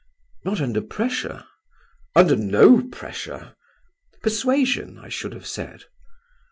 "Not under pressure?" "Under no pressure." "Persuasion, I should have said."